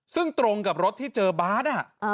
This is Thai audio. ซึ่งตรงกับรถที่เจอบาร์ด